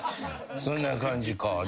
そんな感じか。